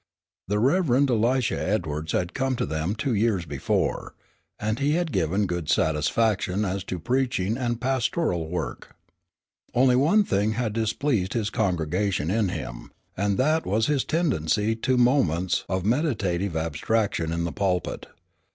The Rev. Elisha Edwards had come to them two years before, and he had given good satisfaction as to preaching and pastoral work. Only one thing had displeased his congregation in him, and that was his tendency to moments of meditative abstraction in the pulpit.